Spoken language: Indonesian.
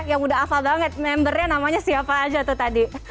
yang udah hafal banget membernya namanya siapa aja tuh tadi